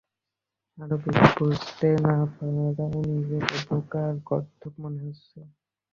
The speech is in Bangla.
আরো বেশি বুঝতে না পারায় নিজেকে বোকা আর গর্দভ মনে হচ্ছে।